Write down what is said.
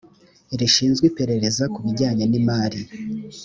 rishinzwe iperereza ku bijyanye n imari